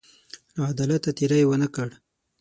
له عدالته تېری ونه کړ.